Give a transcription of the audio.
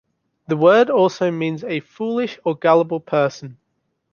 The word also means a foolish or gullible person.